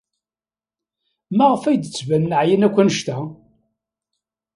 Maɣef ay d-ttbanen ɛyan akk anect-a?